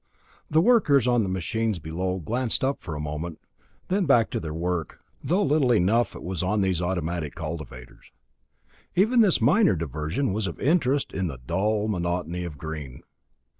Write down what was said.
The workers on the machines below glanced up for a moment, then back to their work, though little enough it was on these automatic cultivators. Even this minor diversion was of interest in the dull monotony of green.